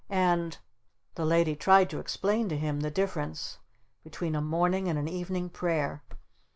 And " The Lady tried to explain to him the difference between a morning and an evening prayer.